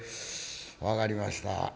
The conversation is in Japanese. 「分かりました。